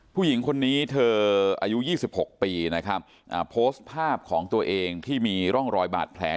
ผู้หญิงคนนี้เธออายุ๒๖ปีนะครับโพสต์ภาพของตัวเองที่มีร่องรอยบาดแผล